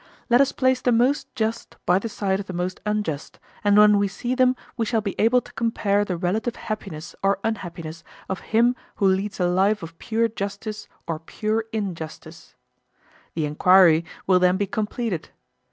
Let us place the most just by the side of the most unjust, and when we see them we shall be able to compare the relative happiness or unhappiness of him who leads a life of pure justice or pure injustice. The enquiry will then be completed.